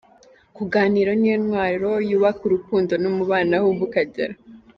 Kuganira niyo ntwaro yubaka urukundo n’umubano aho uva ukagera.